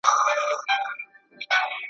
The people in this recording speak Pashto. ته لیونۍ یې، زه دې هم لیونۍ کړم؟